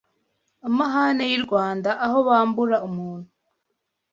Amahane y’I Rwanda Aho bambura umuntu